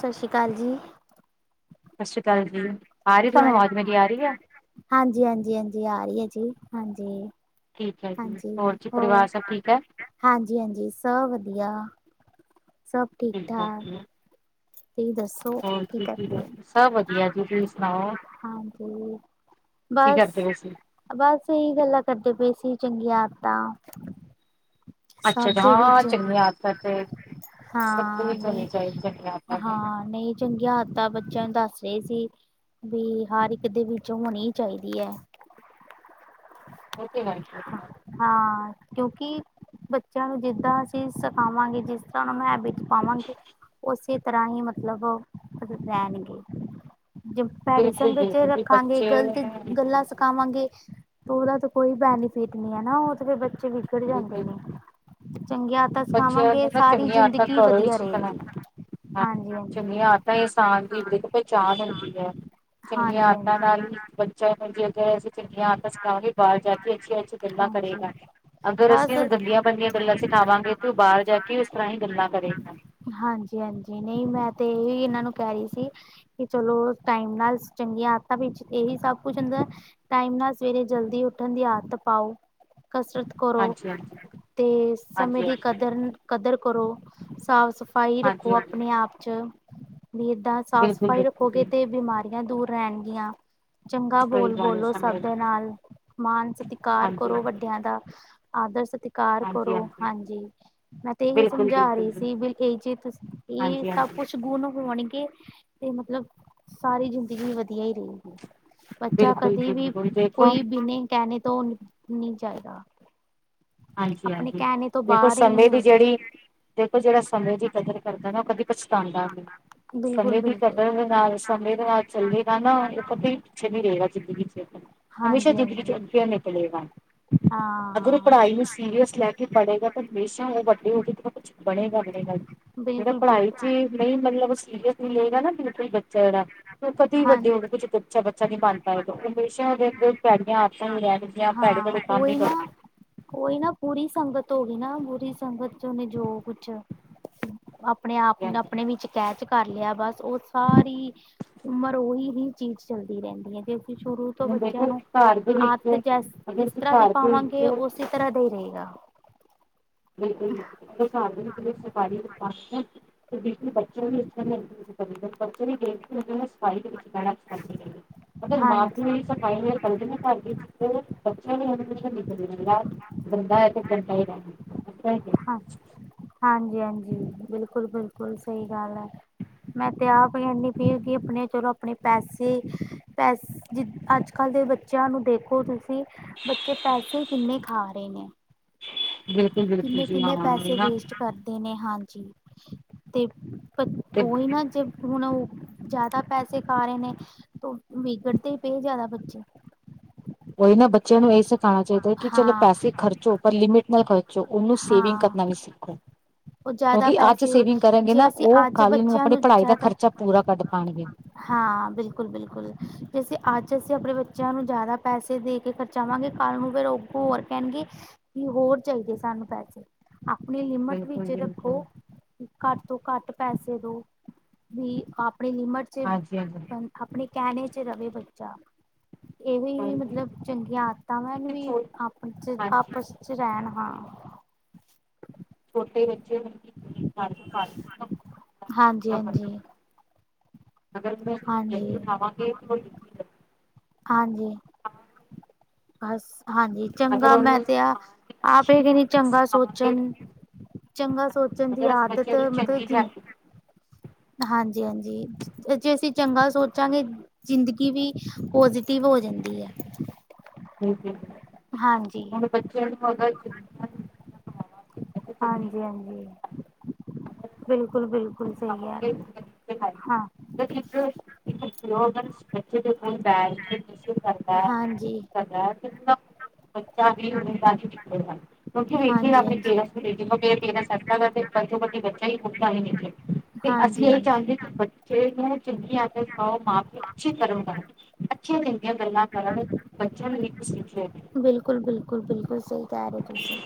ਸਸਰੀ ਕਾਲ ਜੀ। ਸਸਰੀ ਕਾਲ ਜੀ। ਆ ਰਹੀ ਕੀ ਤੁਹਾਨੂੰ ਹਾਲ ਆਵਾਜ਼ ਮੇਰੀ ਆ ਰਹੀ ਹੈ? ਹਾਂਜੀ, ਹਾਂਜੀ, ਹਾਂਜੀ ਆ ਰੀ ਐ ਜੀ ਹਾਂਜੀ‌। ਠੀਕ ਐ ਜੀ, ਹੋਰ ਜੀ ਪਰਿਵਾਰ ਸਭ ਠੀਕ ਐ। ਹਾਂਜੀ-ਹਾਂਜੀ, ਸਭ ਵਧੀਆ, ਸਭ ਠੀਕ ਠੀਕ-ਠਾਕ। ਤੁਹੀ ਦੱਸ। ਹੋਰੀ ਜੀ ਕੀ ਕਰਦੇ, ਸਭ ਵਧੀਆ ਜੀ ਤੁਸੀਂ ਸੁਣਾਓ। ਹਾਂਜੀ। ਕੀ ਬਸ ਕਰਦੇ ਪਏ ਸੀਂ। ਬਸ ਇਹੀ ਗੱਲਾਂ ਕਰਦੇ ਪਏ ਸੀ ਚੰਗੀਆਂ ਆਦਤਾਂ ਅੱਛਾ-ਅੱਛਾ ਸਭ ਦੇ ਹਾਂ ਵਿੱਚ ਚੰਗੀ ਆਦਤਾਂ ਤੇ ਸਭ ਨੂੰ ਹਾਂ ਨਹੀਂ ਈਕਰਨੀ ਚਾਹੀਦੀਆਂ ਹੈਗੀ ਐਂ। ਹਾਂ, ਨਹੀਂ ਚੰਗੀਆਂ ਹਾਦਤਾਂ ਬੱਚਿਆਂ ਨੂੰ ਦੱਸ ਰੇ ਸੀ। ਵੀ ਹਰ ਇੱਕ ਦੇ ਵਿੱਚ ਹੋਣੀ ਚਾਹੀਦੀ ਐ। ਓਕੇ [unintelligible] ਹਾਂ ਕਿਉਂਕਿ ਬੱਚਿਆਂ ਨੂੰ ਜਿੱਦਾਂ ਅਸੀਂ ਸਿਖਾਵਾਂਗੇ, ਜਿਸ ਤਰ੍ਹਾਂ ਮੈਂ ਹੈਬਿਟ ਪਾਵਾਂਗੇ ਉਸੇ ਤਰ੍ਹਾਂ ਹੀ ਮਤਲਬ ਰਹਿਣਗੇ। ਜੇ ਭੈੜੀ ਬਿਲਕੁਲ-ਬਿਲਕੁਲ ਸੰਗਤ ਚ ਜੀ ਰੱਖਾਂਗੇ, ਬੱਚੇ ਨੂੰ ਗਲਤ ਹਾਂਜੀ ਗੱਲਾਂ ਬਿਲਕੁਲ ਸਿਖਾਵਾਂਗੇ ਉਹਦਾ ਤਾਂ ਕੋਈ ਬੈਨੀਫਿਟ ਨਹੀਂ, ਹਨਾ ਉਹ ਤੇ ਫਿਰ ਬੱਚੇ ਵੀਗਰ ਵਿਗੜ ਜਾਂਦੇ ਨੇ, ਚੰਗੀਆਂ ਆਦਤਾਂ ਤਾਂ ਬੱਚਿਆਂ ਸਿਖਾਵਾਂਗੇ ਨੂੰ ਨਾ ਸਾਰੀ ਜ਼ਿੰਦਗੀ ਵਧੀਆ ਰਹੇਗੀ ਹਾਂ ਹਾਂਜੀ ਚੰਗੀਆਂ ਆਦਤਾਂ ਇਨਸਾਨ ਦੀ ਪਹਿਚਾਣ ਹੁੰਦੀ ਏ। ਚੰਗੀਆਂ ਹਾਂਜੀ ਹਾਂਜੀ ਆਦਤਾਂ ਨਾਲ ਈ ਬੱਚਾ ਨੂੰ ਜੇਕਰ ਅਸੀਂ ਚੰਗੀਆਂ ਆਦਤਾਂ ਸਿਖਾਵਗੇ। ਬਾਹਰ ਜਾ ਕੇ ਅੱਛੀਆਂ -ਅੱਛੀਆਂ ਗੱਲਾਂ ਹਾਂਜੀ ਕਰੇਗਾ। ਹਾਂਜੀ ਅਗਰ ਅਸੀਂ ਬਸ ਗੰਦੀਆਂ ਮੰਨਦੀਆ ਗੱਲਾਂ ਸਿਖਾਵਾਂਗੇ ਤਾਂ ਉਹ ਬਾਹਰ ਜਾ ਕੇ ਉਸ ਤਰ੍ਹਾਂ ਹੀ ਗੱਲਾਂ ਕਰੇਗਾ। ਹਾਂਜੀ ਹਾਂਜੀ ਨਹੀਂ ਮੈਂ ਤੇ ਇਹ ਹੀ ਇਹਨਾਂ ਨੂੰ ਕਹਿ ਰਹੀ ਸੀ ਕਿ ਚਲੋ ਟਾਈਮ ਨਾਲ ਚੰਗੀਆਂ ਆਦਤਾਂ ਵਿੱਚ ਇਹੀ ਸਭ ਕੁਝ ਹੁੰਦਾ ਟਾਈਮ ਨਾਲ ਸਵੇਰੇ ਜਲਦੀ ਉੱਠਣ ਦੀ ਆਦਤ ਪਾਓ ਕਸਰਤ ਕਰੋ ਹਾਂਜੀ-ਹਾਂਜੀ, ਤੇ ਸਮੇ ਦੀ ਹਾਂਜੀ-ਹਾਂਜੀ, ਕਦਰ- ਕਦਰ ਕਰੋ ਸਾਫ਼ -ਸਫ ਸਫਾਈ ਰੱਖੋ ਹਾਂਜੀ-ਹਾਂਜੀ। ਆਪਣੇ ਆਪ ਚ ਵੀ ਏਦਾਂ ਸਾਫ਼ ਸਫ਼ਾਈ ਬਿਲਕੁਲ-ਬਿਲਕੁਲ ਰੱਖੋਗੇ ਜੀ, ਤੇ ਬਿਮਾਰੀ ਦੂਰ ਰਹਿਣਗੀਆਂ ਚੰਗਾ ਸਹੀ ਬੋਲ ਗੱਲ ਹੈ ਬੋਲੋ ਸਮਝ ਸਭ ਗਈ, ਦੇ ਨਾਲ ਮਾਨ ਸਤਿਕਾਰ ਕਰੋ। ਹਾਂਜੀ-ਹਾਂਜੀ, ਵੱਡਿਆਂ ਦਾ ਆਦਰ ਸਤਿਕਾਰ ਕਰੋ। ਹਾਂਜੀ-ਹਾਂਜੀ। ਹਾਂਜੀ ਮੈਂ ਤੇ ਇਹੀ ਸਮਝਾ ਰਹੀ ਬਿਲਕੁਲ-ਬਿਲਕੁਲ ਜੀ, ਸੀ। ਬਈ ਜੀ ਇਹ ਸਭ ਹਾਂਜੀ-ਹਾਂਜੀ, ਕੁਛ ਗੁਣ ਹੋਣਗੇ। ਤੇ ਮਤਲਬ ਸਾਰੀ ਜ਼ਿੰਦਗੀ ਵਧੀਆ ਹੀ ਰਹੇਗੀ। ਬੱਚਾ ਬਿਲਕੁਲ ਕਦੇ ਜੀ ਵੀ ਬਿਲਕੁਲ ਦੇਖੋ ਕੋਈ ਬਿਨੇ ਕਹਿਣੇ ਤੋਂ ਨਹੀਂ ਜਾਵੇਗਾ। ਹਾਂਜੀ ਹਾਂਜੀ ਦੇਖੋ। ਬਾਹਰ ਹੀ ਸਮੇ ਨਹੀਂ ਦੀ ਹੋਏਗਾ ਜਿਹੜੀ ਦੇਖੋ ਜਿਹੜਾ ਸਮੇਂ ਦੀ ਕਦਰ ਕਰਦਾ ਨਾ ਉਹ ਕਦੇ ਪਛਤਾਉਂਦਾ ਨਹੀਂ। ਬਿਲਕੁਲ ਸਮੇਂ ਦੀ ਬਿਲਕੁਲ ਕਦਰ ਨਾਲ ਸਮੇਂ ਦੇ ਨਾਲ ਚੱਲੇਗਾ ਨਾ ਇਹ ਕਦੇ ਪਿੱਛੇ ਨੀ ਰਹੇਗਾ ਜ਼ਿੰਦਗੀ ਚ ਦੇਖੋ। ਹਮੇਸ਼ਾ ਹਾਂਜੀ ਜ਼ਿੰਦਗੀ ਹਾਂਜੀ ਚ ਅੱਗੇ ਨਿਕਲੇ ਗਾ ਅਗਰ ਹਾਂ ਪੜ੍ਹਾਈ ਨੂੰ ਸੀਰੀਅਸ ਲੈ ਕੇ ਪੜੇਗਾ। ਹਮੇਸ਼ਾ ਉਹ ਵੱਡੇ ਹੋ ਕੇ ਕੁਛ ਬਣੇਗਾ- ਬਣੇਗਾ। ਜਿਹੜਾ ਬਿਲਕੁਲ ਪੜ੍ਹਾਈ ਬਿਲਕੁਲ ਚ ਨਹੀਂ ਮਤਲਬ ਉਹ ਸੀਰੀਅਸ ਨਹੀਂ ਲੈਗਾ ਨਾ ਬਿਲਕੁਲ ਬੱਚਿਆ ਦਾ ਕਦੇ ਹਾਂ ਵੱਡੇ ਹੋ ਕੇ ਅੱਛਾ ਬੱਚਾ ਬੱਚਾ ਨਹੀ ਬਣ ਪਾਏਗਾ। ਹਮੇਸ਼ਾ ਉਹਦੇ ਅੱਗੇ ਪੈੜੀਆਂ ਆਦਤਾਂ ਹੀ ਰਹਿਣ ਰਹਿਣਗੀਆਂ ਭੈੜੇ-ਭੈੜੇ ਕੰਮ ਹੀ ਕਰਦੇ। ਕੋਈ ਨਾ ਬੁਰੀ ਸੰਗਤ ਹੋ ਗਈ ਨਾ ਬੁਰੀ ਸੰਗਤ ਚ ਉਹਨੇ ਜੋ ਕੁਛ ਆਪਣੇ ਆਪ ਨੂੰ ਹਾਂਜੀ ਆਪਣੇ ਵਿੱਚ ਕੈਚ ਕਰ ਲਿਆ। ਬਸ ਉਹ ਸਾਰੀ ਉਮਰ ਉਹੀ ਹੀ ਚੀਜ਼ ਚੱਲਦੀ ਰਹਿੰਦੀ ਹੈ। ਜ ਸ਼ੁਰੂ ਤੋਂ ਬੱਚਿਆਂ ਦੇਖੋ ਨੂੰ ਘਰ ਦੇ ਵਿੱਚ ਆਦਤ ਅਗਰ ਜਿਸ ਅਸੀਂ ਤਰ੍ਹਾਂ ਦੀ ਘਰ ਦੇ ਪਾਵਾਂਗੇ ਵਿੱਚ ਉਸੇ ਤਰ੍ਹਾਂ ਦੇ ਹੀ ਰਹੇਗਾ। ਬਿਲਕੁਲ [unintelligible] ਬਿਲਕੁਲ ਬੱਚੇ ਵੀ ਇਸ ਤਰ੍ਹਾਂ ਚੇ ਬੱਚੇ ਵੀ ਦੇਖ ਕੇ ਨੇ ਜਮਾਂ ਸਫਾਈ ਦੇ ਵਿੱਚ ਬਹਿਣਾ। ਮ ਮਤ ਅਗਰ ਮਾਂ ਹਾਂਜੀ ਪਿਉ ਇਹ ਸਭ [unintelligible] ਬੰਦਾ ਹੈ ਤੇ ਬੰਦਾ ਹੀ ਰਹਿਣ ਹਾਂ ਹਾਂਜੀ -ਹਾਂਜੀ ਬਿਲਕੁਲ -ਬਿਲਕੁਲ ਸਹੀ ਗੱਲ ਹੈ। ਮੈਂ ਤੇ ਆਪ ਕਹਿੰਦੀ ਪਈ ਕਿ ਆਪਣੇ ਪੈਸੇ ਚਲੋ ਆਪਣੇ ਪੈਸੇ ਪੈਸ ਜਿ ਅੱਜ ਕੱਲ੍ਹ ਦੇ ਬੱਚਿਆਂ ਨੂੰ ਦੇਖੋ ਤੁਸੀਂ ਬੱਚੇ ਪੈਸੇ ਕਿੰਨੇ ਖਾ ਰਹੇ ਨੇ। ਬਿਲਕੁਲ ਬਿਲਕੁਲ ਕਿੰਨੇ ਜੀ -ਕਿੰਨੇ ਹਾਂ ਇਹ ਪੈਸੇ ਨਾ ਵੇਸਟ ਕਰਨ ਦੇ ਨੇ ਹਾਂਜੀ ਤੇ ਪਰ ਤੇ ਓਹੀ ਨਾ ਜੇ ਹੁਣ ਓ ਜੈਦਾ ਪੈਸੇ ਖਾ ਰਏ ਨੇ ਤੋ ਵਿਗੜ ਦੇ ਪਏ ਜੈਦਾ ਬੱਚੇ। ਓਹੀ ਨਾ ਬੱਚਿਆਂ ਨੂੰ ਏ ਸਿਖਾਨਾ ਚਾਈਦਾ ਕਿ ਚਲੋ ਪੈਸੇ ਖਰਚੋ ਪਰ ਲਿਮਿਟ ਨਾਲ ਖਰ ਚੋਂ ਓਨੂੰ ਸੇਵਿੰਗ ਹਾਂ-ਹਾਂ ਕਰਨਾ ਵੀ ਸਿੱਖੋ। ਉਹ ਜ਼ਿਆਦਾ ਕਿਉਂਕਿ ਆੱਜ ਪੈਸੇ ਸੇਵਿੰਗ ਕਰਨਗੇ ਜੇ ਨਾ ਅਸੀਂ ਓ ਅੱਜ ਕੱਲ ਨੂੰ ਬੱਚਿਆਂ ਅਪਨੀ ਪੜਾਈ ਦਾ ਜ਼ਿਆਦਾ ਖਰਚਾ ਪੂਰਾ ਕੱਢ ਪਾਣਗੇ। ਹਾਂ ਬਿਲਕੁਲ-ਬਿਲਕੁਲ ਜੈਸੇ ਆੱਜ ਅਸੀਂ ਅਪਨੇ ਬੱਚਿਆਂ ਨੂੰ ਜੈਦਾ ਪੈਸੇ ਦੇ ਕੇ ਖਰਚਾਵਾਂਗੇ ਕੱਲ ਨੂੰ ਫਿਰ ਅੱਗੋ ਹੋਰ ਕੈਣਗੇ ਵੀ ਹੋਰ ਚਾਈਦੇ ਸਾਨੂੰ ਪੈਸੇ। ਅਪਨੀ ਲਿਮਟ ਬਿਲਕੁਲ ਵਿੱਚ ਬਿਲਕੁਲ ਰੱਖੋ। ਘੱਟ ਤੋਂ ਘੱਟ ਪੈਸੇ ਦੋ ਵੀ ਆਪਨੀ ਲਿਮਟ ਚ। ਹਾਂਜੀ ਅਪਨੇ ਕੈਣੇ ਚ ਰਵੇ ਬੱਚਾ। ਏਹੀ ਈ ਹਾਂਜੀ ਮਤਲਬ ਚੰਗੀਆਂ ਆਦਤਾਂ ਵਾ ਏਨੂੰ ਵੀ ਛੋ ਆਪ ਹਾਂਜੀ ਆਪਸ ਚ ਵਿੱਚ ਰੈ ਲਵਾਂ। ਛੋਟੇ ਬੱਚੇ [unintelligible] ਸੜਕ ਪਾਰ ਹਾਂਜੀ [unintelligible] ਹਾਂਜੀ ਅਗਰ ਮੌਸਮੀ ਰੋਟੀ ਹਾਂਜੀ ਖਾਵਾਂਗੇ ਰੋਟੀ ਆਂਜੀ। ਬਸ ਹਾਂਜੀ ਅਗਰ ਚੰਗਾ ਮੈਂ ਉਹਨੂੰ ਤੇ ਅਸੀਂ ਆ, ਖਾਣ ਦੀ ਆਪ ਏ ਅੱਛੀ ਕੈਨੀ ਹੈਬਿਟ ਚੰਗਾ ਸਿਖਾਵਾਂਗੇ ਸੋਚਣ। ਚੰਗਾ ਸੋਚਣ ਦੀ ਅਗਰ ਅਸੀਂ ਆਦਤ ਬੱਚਿਆਂ ਦੀ ਮਤਲਬ ਚੰਗੀ ਜਿਨ ਹਾਂਜੀ-ਹਾਂਜੀ। ਜੇ ਅਸੀਂ ਚੰਗਾ ਸੋਚਾਂਗੇ, ਜ਼ਿੰਦਗੀ ਵੀ ਪੋਜ਼ਟਿਵ ਹੋ ਜਾਂਦੀ ਐ। [inaudible] ਹਾਂਜੀ। [inaudible] ਖਵਾਵਾਂਗੇ ਤਾਂ ਹਾਂਜੀ-ਹਾਂਜੀ, ਚੰਗੀ ਬਿਲਕੁਲ-ਬਿਲਕੁਲ। [inaudible] ਬੱਚੇ ਦੇ ਕੋਲ ਬੈਠ ਕੇ [unintelligible] ਕਰਦੈ, ਹਾਂਜੀ ਕਰਦੈ [unintelligible] ਬੱਚਾ ਵੀ ਉਮੀਦਾ ਹੀ ਚੁੱਕੇਗਾ। ਕਿਉਂਕਿ ਵੀਰ ਜੀ ਹਾਂਜੀ ਅਪਨੇ ਹਾਂਜੀ ਪੇਰੇਂਟਸ ਕੋ ਬੇਟੇ ਕੋ ਪੇਡ [unintelligible] ਸਸਤਾ ਕਰਦੈ [unintelligible] ਤੇ ਅਸੀਂ ਹਾਂਜੀ ਐਹੀ ਹਾਂਜੀ ਚਾਓਂਦੇ ਕਿ ਬੱਚੇ ਨੂੰ ਚੰਗੀ ਆਦਤ ਪਾਓ, ਮਾਂ-ਪਿਓ ਅੱਛੇ ਕਰਮ ਕਰਨ। ਅੱਛੀਆਂ ਚੰਗੀਆਂ ਗੱਲਾਂ ਕਰਨ ਬੱਚਿਆਂ ਨੂੰ ਵੀ ਕੁਛ ਸਿੱਖੇ। ਬਿਲਕੁਲ, ਬਿਲਕੁਲ, ਬਿਲਕੁਲ ਸਈ ਕੈ ਰਏ ਤੁਸੀਂ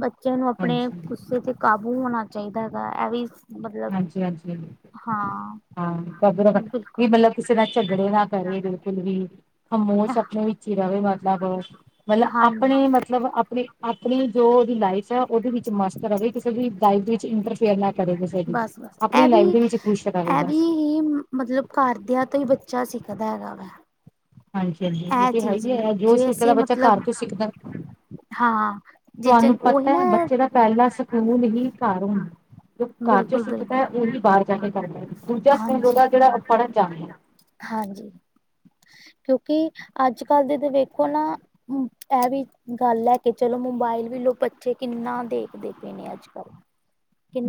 ਬੱਚਿਆਂ ਨੂੰ ਅਪਨੇ ਹਾਂਜੀ ਗੁੱਸੇ ਤੇ ਕਾਬੂ ਹੋਣਾ ਚਾਈਦਾ ਹੈਗਾ ਐ ਵੀ ਮਤਲਬ ਹਾਂਜੀ-ਹਾਂਜੀ। ਹਾਂ ਹਾਂ ਕਦਰ ਘੱਟ, ਵੀ ਬਿਲਕੁਲ ਮਤਲਬ ਕਿਸੇ ਨਾਲ ਝਗੜੇ ਨਾ ਕਰੇ ਬਿਲਕੁਲ ਵੀ ਖਾਮੋਸ਼ ਅਪਨੇ ਈ ਚੀ ਰਵੇ ਮਤਲਬ, ਮਤਲਬ ਹਾਂਜੀ ਆਪਨੇ ਮਤਲਬ ਆਪਨੀ-ਆਪਨੀ ਜੋ ਓਦੀ ਲਾਈਫ ਚ ਓਦੇ ਵਿੱਚ ਮਸਤ ਰਵੇ ਕਿਸੇ ਦੀ ਦਾਈਫ ਦੇ ਵਿੱਚ ਇੰਟਰਫੇਅਰ ਨਾ ਕਰੇ ਕਿਸੇ ਦੀ ਬਸ-ਬਸ, ਆਪਣੀ ਲਾਈਫ ਐਵੀ ਦੇ ਵਿੱਚ ਖੁਸ਼ ਰਵੇ ਐਭੀ ਬਸ ਹੀ ਮਤਲਬ ਘਰਦਿਆਂ ਤੋਂ ਈ ਬੱਚਾ ਸਿੱਖਦਾ ਹੈਗਾ ਵਾ। ਹਾਂਜੀ-ਹਾਂਜੀ ਏ ਇਹ ਤੇ ਹੈ ਚੀਜ਼ ਵੀ ਹੈ ਜੋ ਜੇ ਸਿੱਖਦਾ ਅਸੀਂ ਬੱਚਾ ਘਰ ਮਤਲਬ ਤੋਂ ਸਿੱਖਦਾ। ਹਾਂ ਜੇ ਤੁਆਨੂੰ ਚੰ ਉਹੀ ਪਤਾ ਨਾ ਐ ਬੱਚੇ ਦਾ ਪੈਲਾਂ ਸਕੂਲ ਹੀ ਘਰ ਹੁੰਦਾ, ਜੋ ਘਰ ਚ ਬਿਲਕੁਲ ਸਿੱਖਦਾ ਬਿਲਕੁਲ ਐ ਓਹੀ ਬਾਰ ਜਾਂ ਕੇ ਕਰਦੈ, ਦੂਜਾ ਸਕੂਲ ਹਾਂਜੀ ਓਦਾ ਜੇੜਾ ਓ ਪੜਨ ਜਾੰਦੈ। ਹਾਂਜੀ, ਕਿਉਂਕਿ ਆੱਜ-ਕੱਲ ਦੀ ਤਾਂ ਵੇਖੋ ਨਾ ਹੂੰ, ਐਵੀ ਗੱਲ ਲੈ ਕੇ ਚਲੋ ਮੋਬਾਇਲ ਵੀ ਲੋ ਬੱਚੇ ਕਿੰਨਾ ਦੇਖਦੇ ਪਏ ਨੇ ਆੱਜ-ਕੱਲ।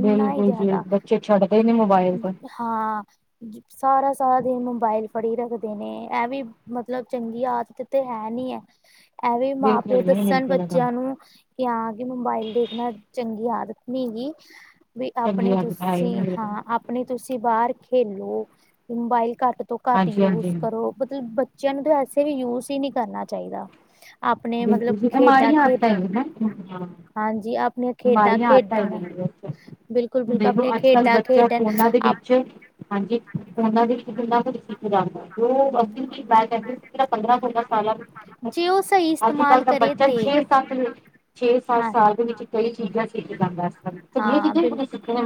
ਬਿਲਕੁਲ ਜੀ ਬੱਚੇ ਛੱਡਦੇ ਈ ਨੀ ਮੁ [unintelligible] ਹਾਂ ਸਾਰਾ ਸਾਰਾ ਦਿਨ ਮੋਬਾਇਲ ਫੜੀ ਰੱਖਦੇ ਨੇ ਐਮੀ ਵੀ ਮਤਲਬ ਚੰਗੀ ਆਦਤ ਤੇ ਹੈ ਨੀ ਐ। ਐਵੀ ਬਿਲਕੁਲ ਮਾਂ-ਪਿਓ ਨਹੀਂ ਦੱਸਣ ਬਿਲਕੁਲ ਅ ਬੱਚਿਆਂ ਨੂੰ ਕਿ ਹਾਂ ਕਿ ਮੋਬਾਇਲ ਦੇਖਣਾ ਚੰਗੀ ਆਦਤ ਨੀ ਹੇਗੀ। ਬਈ ਚੰਗੀ ਆਪਣੇ ਆਦਤ ਹੈ ਹੀ ਤੁਸੀਂ ਨਹੀਂ ਬਿਲਕੁਲ ਹਾਂ ਆਪਣੇ ਤੁਸੀਂ ਬਾਹਰ ਖੇਲੋ ਮੋਬਾਈਲ ਘੱਟ ਤੋਂ ਘੱਟ ਹਾਂਜੀ ਯੂਜ ਹਾਂਜੀ ਕਰੋ। ਮਤਲਬ ਬੱਚਿਆਂ ਨੂੰ ਤਾਂ ਵਸੇ ਵੀ ਯੂਜ ਹੀ ਨੀ ਕਰਨਾ ਚਾਹੀਦਾ। ਆਪਣੇ ਮਤਲਬ ਬਿਲਕੁਲ ਜੀ ਖੇਡਾਂ ਮਾੜੀਆਂ ਖੇਡ ਆਦਤਾਂ ਹੈਗੀਆਂ [unintelligible] ਹਾਂਜੀ ਆਪਣੀਆਂ ਖੇਡਾਂ ਮਾੜੀਆਂ ਆਦਤਾਂ ਖੇਡਣ ਹੈਗੀਆਂ [unintelligible] ਬਿਲਕੁਲ-ਬਿਲਕੁਲ ਦੇਖੋ ਆਪਣੀਆ ਅੱਜ ਕੱਲ੍ਹ ਖੇਡਾਂ ਬੱਚਾ ਖੇਡਣ ਫੋਨਾਂ ਦੇ ਆਪ ਵਿੱਚ ਹਾਂਜੀ ਫੋਨਾ ਦੇ ਵਿੱਚ ਕਿੰਨਾ ਕੁਝ ਸਿੱਖ ਜਾਂਦਾ। ਜੋ ਬਸ ਬੈਰਾ ਪੰਦਰਾਂ ਸੋਲਾ ਸਾਲਾ ਚ ਕਿਤਾਬ ਸੀ ਜੇ ਨਾ ਉਹ ਸਹੀ ਅੱਜ-ਕੱਲ੍ਹ ਇਸਤੇਮਾਲ ਤਾਂ ਕਰੇ ਬੱਚਾ ਤੇ ਛੇ, ਸੱਤ ਵਿੱਚ ਛੇ, ਸੱਤ ਹਾਂ ਸਾਲ ਦੇ ਵਿੱਚ ਕਈ ਚੀਜ਼ਾਂ ਸਿੱਖ ਜਾਂਦਾ ਇਸ ਤਰਾ ਸੀਆਂ ਹਾਂ ਚੀਜ਼ਾਂ ਬਿਲ ਵੀ ਸਿੱਖਣ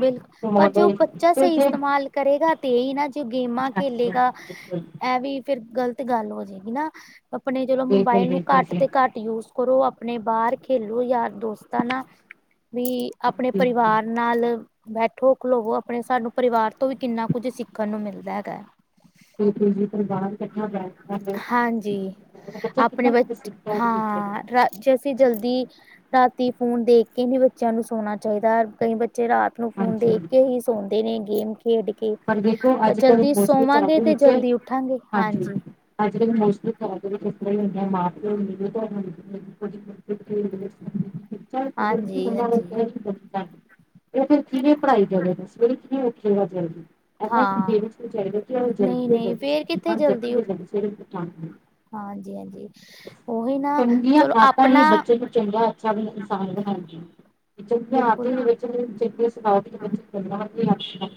ਬਿਲਕੁਲ ਪਰ ਮੋਡ ਜੋ ਬੱਚਾ ਤੇ ਸਹੀ ਜੇ [unintelligible] ਇਸਤੇਮਾਲ ਕਰੇਗਾ ਤੇਈ ਨਾ ਜੋ ਗੇਮਾਂ ਖੇਲੇ ਹਾਂਜੀ ਗਾ ਬਿਲਕੁਲ ਇਹ ਵੀ ਫੇਰ ਗ਼ਲਤ ਗੱਲ ਹੋ ਜਾਏਗੀ ਨਾ ਆਪਣੇ ਚਲੋ ਬਿਲਕੁਲ ਮੋਬਾਇਲ ਨੂੰ ਬਿਲਕੁਲ ਘੱਟ ਜੀ ਤੇ ਘੱਟ ਯੂਸ ਕਰੋ ਆਪਣੇ ਬਾਹਰ ਖੇਲੋ ਯਾਰ ਦੋਸਤਾਂ ਨਾਲ ਬੀ ਆਪਣੇ ਹਾਂਜੀ-ਹਾਂਜੀ, ਪਰਿਵਾਰ ਨਾਲ ਬੈਠੋ, ਖਲੋਵੋ ਆਪਣੇ ਸਾਨੂੰ ਪਰਿਵਾਰ ਤੋਂ ਵੀ ਕਿੰਨਾ ਕੁੱਝ ਸਿੱਖਣ ਨੂੰ ਮਿਲਦਾ ਹੈਗੈ। ਬਿਲਕੁਲ-ਬਿਲਕੁਲ ਜਾਣਾ ਵੀ ਕਠਿਆ ਦਾ ਹਾਂਜੀ [unintelligible] [inaudible] ਬੱਚਾ ਕਿੰਨਾ ਕੁ ਸਿੱਖ ਉਹਦੇ ਵਿਚੋਂ ਦੀ ਜ ਅਸੀਂ ਜਲਦੀ ਰਾਤੀ ਫੋਨ ਦੇਖ ਕੇ ਹੀ ਬੱਚਿਆਂ ਨੂੰ ਸੋਣਾ ਚਾਹੀਦਾ ਕਈ ਬੱਚੇ ਰਾਤ ਨੂੰ ਫੋਨ ਦੇਖ ਹਾਂਜੀ-ਹਾਂਜੀ, ਕੇ ਹੀ ਸੌਦੇ ਨੇ ਗੇਮ ਖੇਡ ਕੇ, ਪਰ ਦੇਖੋ ਪਰ ਅੱਜ-ਕੱਲ੍ਹ ਜਲਦੀ ਮੋਸਟਲੀ ਜਲਦੀ ਸੌਵਾਗੇ ਤੇ ਜਲਦੀ [unintelligible] ਉੱਠਾਂਗੇ ਹਾਂਜੀ। [inaudible] ਅੱਜ ਕੱਲ [unintelligible] ਮੋਸਟਲੀ ਕਿਸ ਤਰ੍ਹਾਂ ਹੁੰ ਮਾਂ ਪਿੳ [inaudible] ਉ [unintelligible] ਹਾਂਜੀ ਹਾਂਜੀ ਇਹ ਫੇਰ ਕਿਵੇਂ ਪੜ੍ਹਾਈ ਕਰੇ, ਸਵੇਰੇ ਕਿਵੇਂ ੳਠੇ ਗਾ ਜਲਦੀ। ਅਗਰ ਥੋੜ੍ਹੀ ਹਾਂ ਦੇਰ ਚ [inaudible] ਜਲਦੀ ਤੋਂ ਨਹੀਂ ਜਲਦੀ ਨਹੀਂ ਫੇਰ ਸੋਵਾਗੇ ਤਾਂ ਜਲਦੀ ਤੋਂ ਜਲਦੀ ਸਵੇਰੇ ਉੱਠਾਗੇ। ਹਾਂਜੀ-ਹਾਂਜੀ, ਉਹੀ ਨਾ ਚਲੋ [unintelligible] ਆਪਣਾ [unintelligible] ਹਾਂਜੀ [unintelligible] [unintelligible] ਬਿਲਕੁਲ ਜਲਦੀ ਸੋਵਾਗੇ [inaudible]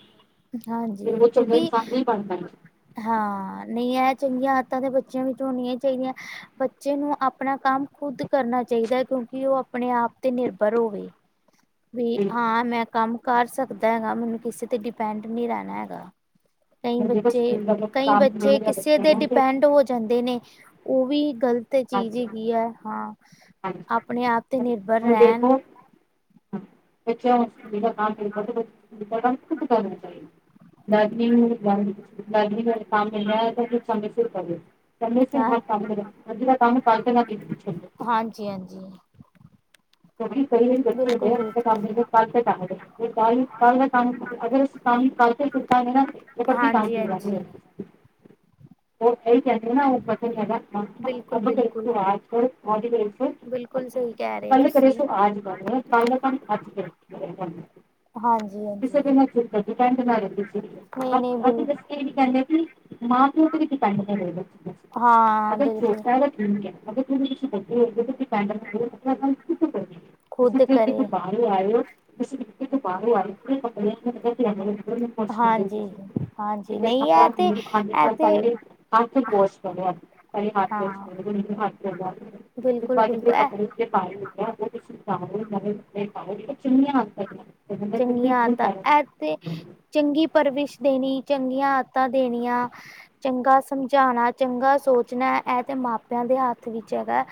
ਹਾਂਜੀ ਕਿਉਂਕਿ ਬਣ [inaudible] ਹਾਂ ਨਹੀਂ ਇਹ ਚੰਗੀਆਂ ਆਦਤਾਂ ਤਾਂ ਬੱਚਿਆਂ ਵਿੱਚ ਹੋਣਿਆ ਚਾਹੀਦੀਆਂ। ਬੱਚੇ ਨੂੰ ਆਪਣਾ ਕੰਮ ਖੁਦ ਕਰਨਾ ਚਾਹੀਦਾ ਹੈ ਕਿਉਂਕਿ ਉਹ ਆਪਣੇ ਆਪ ਤੇ ਨਿਰਭਰ ਹੋਵੇ। ਵੀ ਹਾਂ ਪਾਏਗਾ। ਮੈਂ ਕੰਮ ਕਰ ਸਕਦਾ ਹੈਗਾ, ਮੈਨੂੰ ਕਿਸੇ ਤੇ ਡਿਪੈਂਡ ਨਹੀਂ ਰਹਿਣਾ ਹੈਗਾ। ਕਈ ਜਿਹੜਾ ਬੱਚੇ, ਸਕੂਲ ਦਾ ਕਈ ਕੰਮ ਮਿਲ ਬੱਚੇ ਰਿਹਾ ਕਿਸੇ [unintelligible] ਦੇ ਨੂੰ ਤੇ ਡਿਪੈਂਡ ਹੋ ਜਾਂਦੇ ਨੇ। ਉਹ ਵੀ ਗਲਤ ਚੀਜ਼ ਹਾਂਜੀ ਹੈਗੀ ਐ ਹਾਂ ਹਾਂਜੀ ਆਪਣੇ ਆਪ ਤੇ [inaudible] ਨਿਰਭਰ ਰਹਿਣ [unintelligible] ਬੱਚਿਆ ਨੂੰ ਆਪਣਾ ਕੰਮ ਖ਼ੁਦ ਕਰਣਾ ਚਾਹੀਦਾ ਹੈ। [inaudible] [inaudible] ਕੰਮ [unintelligible] ਮ ਸਮੇਂ ਸਿਰ ਪਵੇ [inaudible] ਚੰਗੇ ਹਾਂ ਹ ਕੰਮ ਮ ਅਜ ਦਾ ਤਾਂ ਕੰਮ ਕਾਲਟ ਨਾ ਪ [unintelligible] ਹਾਂਜੀ-ਹਾਂਜੀ। ਕਿਉੰਕਿ ਕਦੇ-ਕਦੇ ਬੱਚੇ ਬਿਲਕੁਲ ਬਿਲਕੁਲ [unintelligible] ਕ ਦਾ ਕੰਮ ਅਗਰ ਕੰਮ ਕੱਲ ਤੇ ਕੀਤਾ ਨਾ ਉਹ ਕੀ [unintelligible] ਕੰਮ ਤੇ ਸੁਟਾ ਗੇ ਤੇ ਕਦੀ ਕੰਮ ਹਾਂਜੀ ਪੈਰਾ ਨਹੀ ਹਾਂਜੀ ਹੋੲਏ ਗਾ। ਬ ਮ ਬਿਲਕੁਲ ਬਿਲਕੁਲ [unintelligible] ਬਿਲਕੁਲ ਸਹੀ ਕਹਿ ਰਹੇ ਤੁਸੀਂ। ਅੱਜ ਕਰੋ ਕੱਲ ਨੀ ਅੱਜ ਕਰੇ ਕੰਮ ਹਾਂਜੀ ਕਿਸੇ ਹਾਂਜੀ ਦੇ ਚ ਡਿਪੈਂਡ ਨਾ ਅਸੀਂ ਫਿਰ ਨਹੀਂ ਨਹੀਂ ਬਿਲ ਏਹੀ ਕਹਿੰਦੇ ਸੀ ਮਾਂ- ਪਿਉ ਤੇ ਵੀ ਡਿਪੈਂਡ ਕਰੇਗਾ, ਹਾਂ ਅਗਰ ਬਿਲਕੁਲ ਛੋਟਾ ਵੈ ਠੀਕ ਐ, ਅਗਰ ਤੁਸੀ ਤੁਸੀ ਖੁਦ ਅੱਗੇ ਕਰੇ ਤੋਂ ਬਾਹਰੋਂ ਆਏ ਹੋ, ਤੁਸੀਂ ਬਾਹਰੋਂ ਆਏ [unintelligible] ਕੁਛ ਨਹੀਂ ਹਾਂਜੀ ਹਾਂਜੀ ਨਹੀਂ ਇਹ ਤੇ ਖਾਲੀ [unintelligible] ਇਹ ਸਾਲ ਪ ਤੇ ਹੱਥ ਬੌਛ [unintelligible] ਕਰਦਾ ਹਥ ਬਿਲਕੁਲ-ਬਿਲਕੁਲ ਐ ਪਾਏ ਉਹ ਤੁਸੀਂ ਜਾ ਪਾ ਚੁੰਨੀਆਂ [unintelligible] ਸਕ ਤੇ ਬੰਦਾ ਚੰਗੀਆਂ ਕੁਝ ਆਦਤਾਂ ਕਰਨ [unintelligible] ਇਹ ਤੇ ਚੰਗੀ ਪਰਵਿਸ਼ ਦੇਣੀ, ਚੰਗੀਆਂ ਆਦਤਾਂ ਦੇਣੀਆਂ ਚੰਗਾ ਸਮਝਾਣਾ, ਚੰਗਾ ਸੋਚਣਾ, ਐ ਤੇ ਮਾਪ ਪਿਆ ਦੇ ਹੱਥ ਵਿੱਚ ਹੈਗਾ।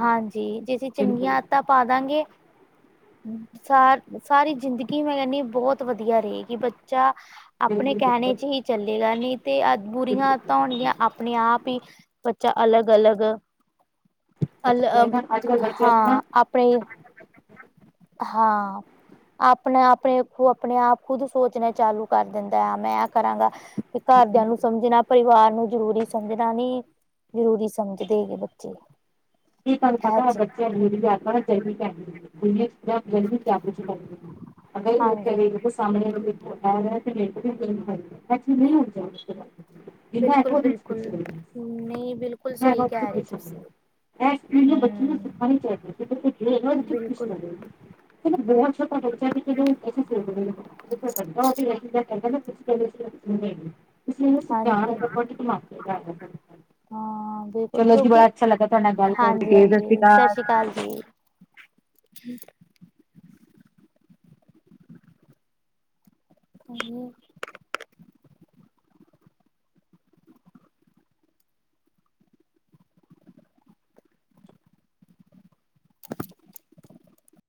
ਹਾਂਜੀ, ਜੇ ਅਸੀਂ ਚੰਗੀਆਂ ਆਦਤਾਂ ਪਾ ਦਾਂ ਗੇ ਸਾਰ ਸਾਰੀ ਜ਼ਿੰਦਗੀ ਮੈਂ ਕਹਿੰਦੀ ਬਹੁਤ ਵਧੀਆ ਰਹੇਗੀ, ਬੱਚਾ ਆਪਣੇ ਕਹਿਣੇ ਚ ਹੀ ਚੱਲੇਗਾ, ਨਹੀਂ ਤੇ ਅ ਬੁਰੀਆਂ ਆਦਤਾਂ ਹੋਣਗੀਆਂ ਆਪਣੇ ਆਪ ਹੀ ਬੱਚਾ ਅਲਗ-ਅਲਗ ਅਲ ਨਾ ਅੱਜ ਕੱਲ੍ਹ ਬੱਚਿਆਂ ਹਾਂ, ਨੂੰ ਨਾ ਆਪਣੇ ਹਾਂ। ਆਪਣੇ- ਆਪਣੇ ਖੁ ਆਪਣੇ ਆਪ ਖੁਦ ਸੋਚਣਾ ਚਾਲੂ ਕਰ ਦਿੰਦਾ, ਮੈਂ ਐਂ ਕਰਾਂਗਾ ਤੇ ਘਰਦਿਆਂ ਨੂੰ ਸਮਝਣਾ ਪਰਿਵਾਰ ਨੂੰ ਜਰੂਰੀ ਸਮਝਣਾ ਨੀ, ਜ਼ਰੂਰੀ ਸਮਝਦੇ ਗੇ ਬੱਚੇ। ਕੀ ਤੁਹਾਨੂੰ ਇਹ ਪਤਾ ਚ ਬੱਚਿਆਂ ਲਈ [unintelligible] ਦੁਨੀਆਂ ਚ ਜਲਦੀ ਕਿਆ ਕੁਛ ਅਗਰ ਹਾਂਜੀ [unintelligible] [unintelligible] ਸਾਮਣੇ ਕੋਈ ਬੰਦਾ ਆਂਦਾ ਤੇ ਨਹੀਂ ਉ ਇਹੋਸ਼ ਬਿਲਕੁਲ ਬਿਲਕੁਲ [unintelligible] ਨਹੀਂ ਬਿਲਕੁਲ ਮੈਂ ਸਹੀ ਬੱਚੇ ਕਹਿ ਰਹੇ ਪੁੱਛਣ ਗਈ, ਤੁਸੀਂ ਹੈਂ। ਇਸ ਬੱਚੇ ਨੂੰ ਹਮ ਸਿਖਾਈ ਜਾਵੇ, ਚਾਹੀਦੀ ਖੁਸ਼ੀ ਬਿਲਕੁਲ [unintelligible] ਏ ਨ ਬਹੁਤ ਛੋਟਾ ਹੋ ਬੱਚੇ ਵੀ ਜਦੋਂ ਅਸੀੇ ਸ [unintelligible] [unintelligible] ਇਸ ਲਈ ਹਾਂਜੀ ਸਰਕਾਰ ਬੜੇ ਧਮਾਕੇ ਕਰ ਰਹੀ ਐ, ਹਾਂ ਬਿਲਕੁਲ ਚਲੋ ਜੀ, ਕਿਉਂਕਿ ਬੜਾ ਅੱਛਾ ਲਗਾ ਤੁਹਾਡੇ ਨਾਲ ਗੱਲ ਕਰਕੇ, ਸਾਸਰੀ ਕਾਲ। ਕਾਲ ਜੀ। [unintelligible] ਹਾਂਜੀ।